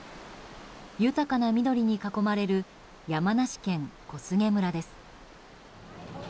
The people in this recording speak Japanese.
豊かな緑に囲まれる山梨県小菅村です。